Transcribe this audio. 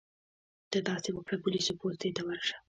ته داسې وکړه پولیسو پوستې ته ورشه.